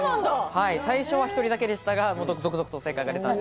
最初は１人だけでしたが、続々と正解が出ました。